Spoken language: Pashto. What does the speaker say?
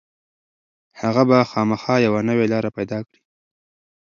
هغه به خامخا یوه نوې لاره پيدا کړي.